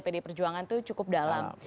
pdi perjuangan itu cukup dalam